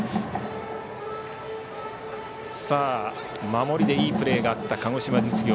守りでいいプレーがあった鹿児島実業。